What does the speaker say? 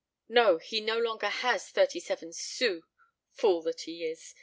No, he no longer has thirty seven sous, fool that he is!